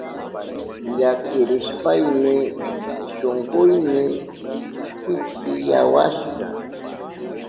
Llakirishpayni shunkuyni kichkiyawashka.